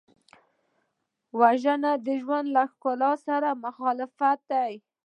وژنه د ژوند له ښکلا سره مخالفت دی